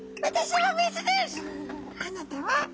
あなたは？